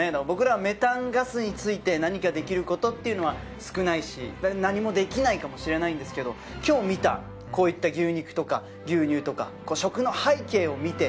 僕らメタンガスについて何かできることっていうのは少ないし何もできないかもしれないんですけど今日見たこういった。